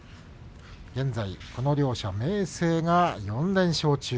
現在この両者は明生が４連勝中。